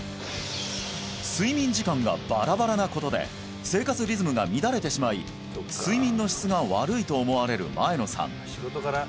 睡眠時間がバラバラなことで生活リズムが乱れてしまい睡眠の質が悪いと思われる前野さん